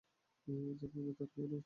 জানানোর মতো আর কেউ আছে?